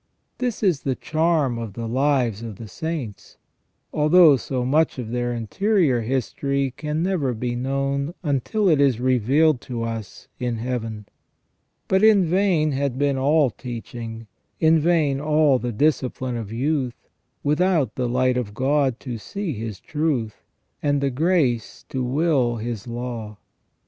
This is the charm of the lives of the saints, although so much of their interior history can never be known until it is revealed to us in Heaven. But in vain had been all teaching, in vain all the discipline of youth, without the light of God to see His truth, and the grace to will His law.